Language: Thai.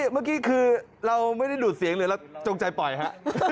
เมื่อกี้คือเราไม่ได้ดูดเสียงหรือเราจงใจปล่อยฮะ